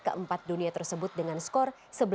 keempat dunia tersebut dengan skor